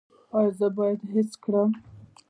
ایا زه باید حس کړم؟